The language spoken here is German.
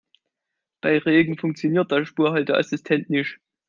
Bei Regen funktioniert der Spurhalteassistent nicht.